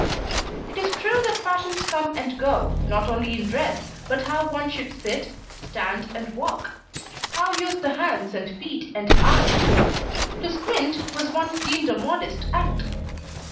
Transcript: It is true that fashions come and go, not only in dress, but how one should sit, stand, and walk; how use the hands and feet and eyes. To squint was once deemed a modest act.